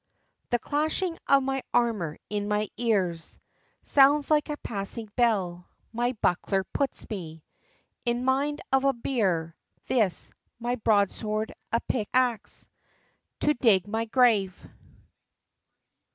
"The clashing of my armor in my ears Sounds like a passing bell; my buckler puts me In mind of a bier; this, my broadsword, a pickaxe To dig my grave."